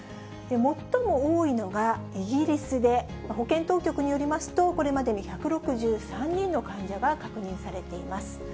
最も多いのがイギリスで、保健当局によりますと、これまでに１６３人の患者が確認されています。